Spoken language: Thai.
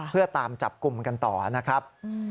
เพื่อตามจับกลุ่มกันต่อนะครับ